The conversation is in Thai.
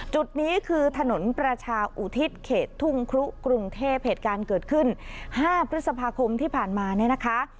จุดนี้คือถนนประชาอุทิศเขตทุ่งครุกรุงเทพเหตุการณ์เกิดขึ้น๕พฤษภาคมที่ผ่านมาเนี่ยนะคะ